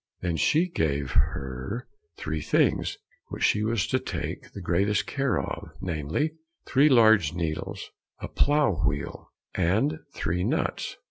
Then she gave her three things, which she was to take the greatest care of, namely, three large needles, a plough wheel, and three nuts.